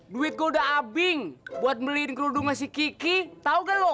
duit gua udah abing buat beliin kerudungan si kiki tau gak lu